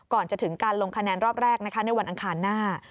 ก่อนจะถึงการลงคะแนนรอบแรกนะคะในวันอังคารหน้า